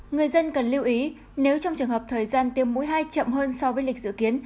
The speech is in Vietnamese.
người dân cần lưu ý nếu trong trường hợp thời gian tiêm mũi hai chậm hơn so với lịch dự kiến